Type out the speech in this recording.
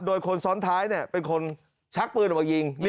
โดยคนซ้อนท้ายเป็นคนชักปืนออกมายิง